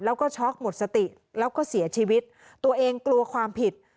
แล้วก็ช็อกหมดสติแล้วก็เสียชีวิตตัวเองกลัวความผิด